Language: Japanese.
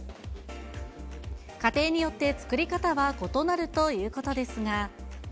家庭によって作り方は異なるということですが。